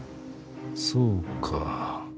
そうか。